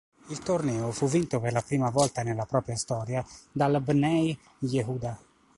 Il torneo fu vinto, per la prima volta nella propria storia, dal Bnei Yehuda.